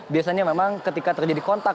biasanya memang ketika terjadi kontak